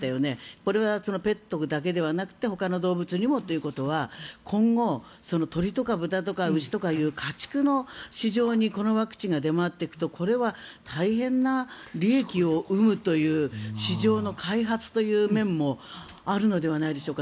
これはペットだけではなくてほかの動物にもということは今後、鳥とか豚とか牛という家畜の市場にこのワクチンが出回っていくとこれは大変な利益を生むという市場の開発という面もあるのではないでしょうか。